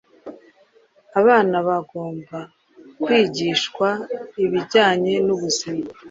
Abana bagomba kwigishwa ibijyanye n’ubuzima